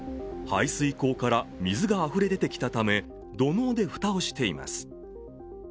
排水溝から水があふれ出てきたため土のうで蓋をしています。